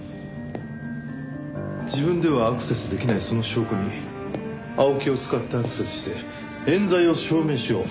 自分ではアクセスできないその証拠に青木を使ってアクセスして冤罪を証明しよう。